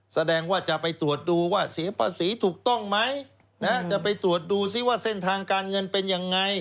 แสดงว่าจะไปตรวจดูว่าเสียภาษีถูกต้องไหมจะไปตรวจดูซิว่าเส้นทางการเงินเป็นยังไง